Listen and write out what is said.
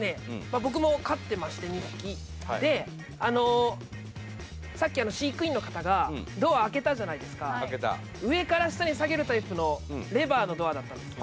僕も飼ってまして２匹であのさっき飼育員の方がドア開けたじゃないですか上から下に下げるタイプのレバーのドアだったんですよ